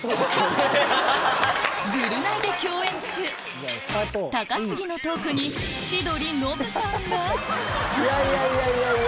『ぐるナイ』で共演中高杉のトークに千鳥・ノブさんが！